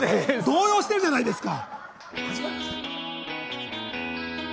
動揺してるじゃないですか。